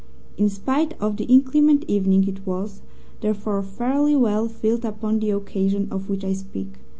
In spite of the inclement evening it was, therefore, fairly well filled upon the occasion of which I speak.